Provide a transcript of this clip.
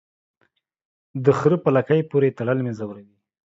د خره په لکۍ پوري تړل مې زوروي.